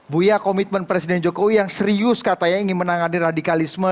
buya komitmen presiden jokowi yang serius katanya ingin menangani radikalisme